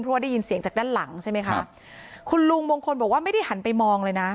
เพราะว่าได้ยินเสียงจากด้านหลังใช่ไหมคะคุณลุงมงคลบอกว่าไม่ได้หันไปมองเลยนะ